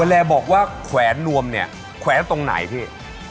แลบอกว่าแขวนนวมเนี่ยแขวนตรงไหนพี่